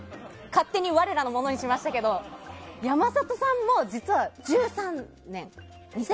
勝手に我らのものにしましたけど山里さんも２００９年から実は１３年。